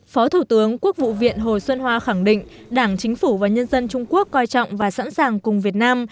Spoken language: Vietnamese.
phó thủ tướng quốc vụ viện hồ xuân hoa khẳng định đảng chính phủ và nhân dân trung quốc coi trọng và sẵn sàng cùng việt nam